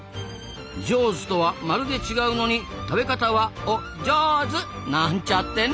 「ジョーズ」とはまるで違うのに食べ方はお「ジョーズ」！なんちゃってね！